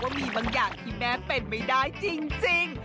มีบางอย่างที่แม่เป็นไม่ได้จริง